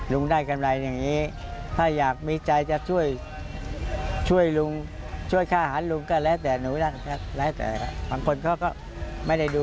ลุงได้กำไรอย่างนี้